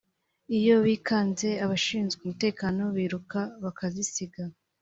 iyo bikanze abashinzwe umutekano biruka bakazisiga